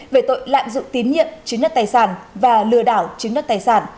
về tội lạm dụng tín nhiệm chứng nhất tài sản và lừa đảo chứng nhất tài sản